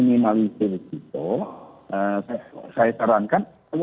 mengapa menjadikan mae telang sengaja